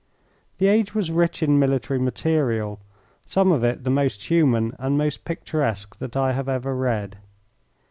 The age was rich in military material, some of it the most human and the most picturesque that I have ever read.